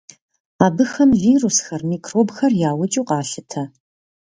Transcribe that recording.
Абыхэм вирусхэр, микробхэр яукӏыу къалъытэ.